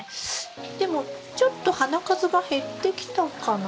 でもちょっと花数が減ってきたかな？